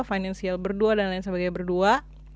financial berdua dan lain sebagainya berdua